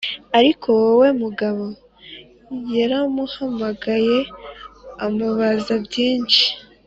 ariko uwo mugabo yaramuhamagaye amubaza byinshi